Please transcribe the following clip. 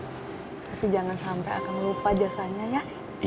tapi jangan sampai akan lupa jasanya ya